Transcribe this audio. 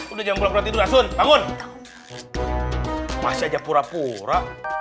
udah jam berarti langsung bangun masih aja pura pura